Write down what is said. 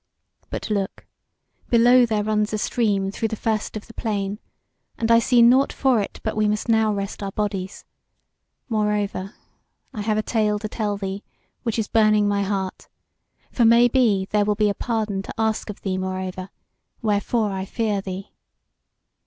But look! below there runs a stream through the first of the plain, and I see nought for it but we must now rest our bodies. Moreover I have a tale to tell thee which is burning my heart; for maybe there will be a pardon to ask of thee moreover; wherefore I fear thee."